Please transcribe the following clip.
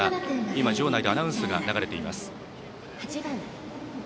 今、場内でアナウンスが流れています。